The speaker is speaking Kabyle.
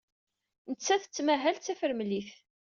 Nettat tettmahal d tafremlit.